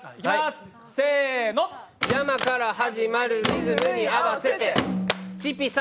やまから始まるリズムに合わせてちぴ３。